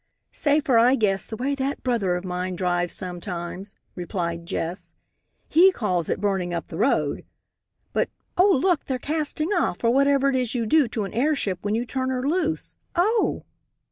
"Safer I guess, the way that brother of mine drives sometimes," replied Jess. "He calls it 'burning up the road.' But oh, look, they're casting off, or whatever it is you do to an airship when you turn her loose. Oh!"